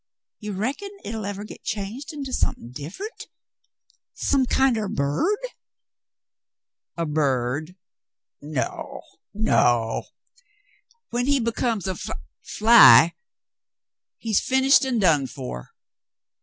You reckon hit '11 eveh git changed into something diff 'ent — some kind er a bird ?" "A bird .f^ No, no. Wlien he becomes af — fly, he's finished and done for."